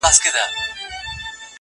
هم په رنگ هم په اخلاق وو داسي ښکلی!!